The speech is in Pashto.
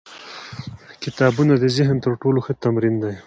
کتابونه د ذهن تر ټولو ښه تمرین دی.